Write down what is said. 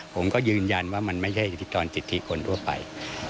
ผมก็ยืนยันว่ามันไม่ใช่อิทธิกรสิทธิคนทั่วไป